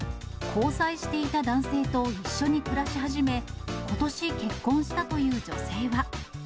交際していた男性と一緒に暮らし始め、ことし、結婚したという女性は。